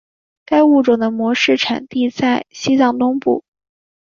该物种的模式产地在西藏东部。